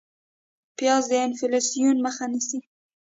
پیاز د انفلاسیون مخه نیسي